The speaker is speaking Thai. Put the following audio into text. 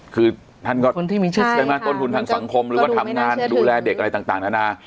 คือท่านก็คนที่มีชื่อใช่ค่ะได้มาต้นทุนทางสังคมหรือว่าทำงานดูแลเด็กอะไรต่างต่างนานา